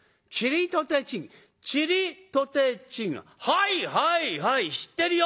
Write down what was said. はいはいはい知ってるよ！